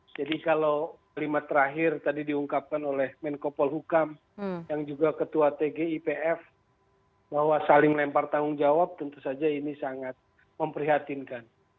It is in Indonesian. jadi kalau kalimat terakhir tadi diungkapkan oleh menkopol hukam yang juga ketua tgipf bahwa saling lempar tanggung jawab tentu saja ini sangat memprihatinkan